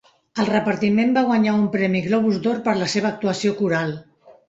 El repartiment va guanyar un premi Globus d'Or per la seva actuació coral.